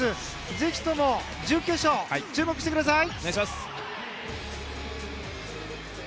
ぜひとも準決勝注目してください。